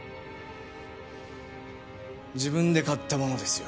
自分で買ったものですよ。